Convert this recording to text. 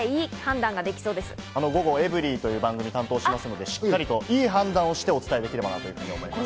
午後、『ｅｖｅｒｙ．』という番組を担当しますので、しっかりと良い判断をしてお伝えできればなと思います。